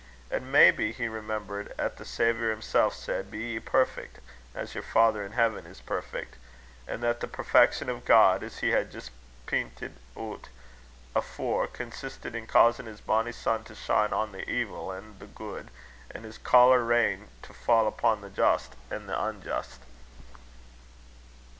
An' may be he remembered 'at the Saviour himsel' said: 'Be ye perfect as your father in Heaven is perfect;' and that the perfection o' God, as He had jist pinted oot afore, consisted in causin' his bonny sun to shine on the evil an' the good, an' his caller rain to fa' upo' the just an' the unjust."